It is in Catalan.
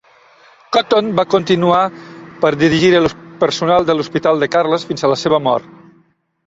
Cotton va continuar per dirigir el personal de l'Hospital de Carles fins a la seva mort.